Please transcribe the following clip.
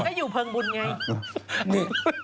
ก็อยู่เพลิงบุญไง